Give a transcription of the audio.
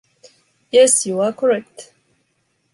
Yes, you are correct.